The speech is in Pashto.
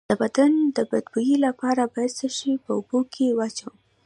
د بدن د بد بوی لپاره باید څه شی په اوبو کې واچوم؟